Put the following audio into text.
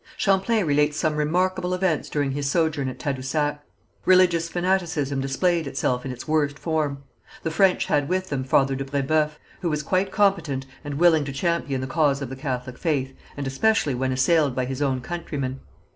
Champlain relates some remarkable events during his sojourn at Tadousac. Religious fanaticism displayed itself in its worst form. The French had with them Father de Brébeuf, who was quite competent and willing to champion the cause of the Catholic faith, and especially when assailed by his own countrymen.